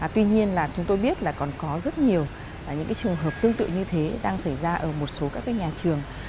tuy nhiên chúng tôi biết là còn có rất nhiều trường hợp tương tự như thế đang xảy ra ở một số nhà trường